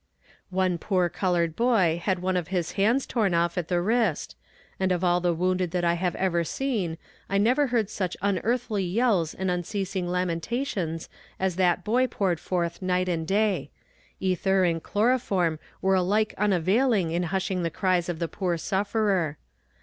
] One poor colored boy had one of his hands torn off at the wrist; and of all the wounded that I have ever seen I never heard such unearthly yells and unceasing lamentations as that boy poured forth night and day; ether and chloroform were alike unavailing in hushing the cries of the poor sufferer.